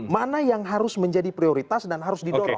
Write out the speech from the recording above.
mana yang harus menjadi prioritas dan harus didorong